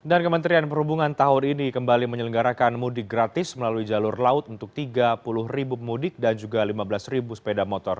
dan kementerian perhubungan tahun ini kembali menyelenggarakan mudik gratis melalui jalur laut untuk tiga puluh mudik dan juga lima belas sepeda motor